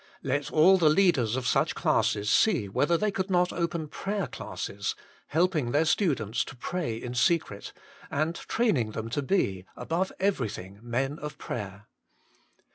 Let all the leaders of such classes see whether they could not open prayer classes helping their students to pray in secret, and training them to be, above everything, men of prayer.